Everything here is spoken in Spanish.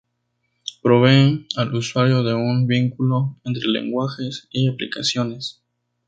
Provee al usuario de un vínculo entre lenguajes y aplicaciones.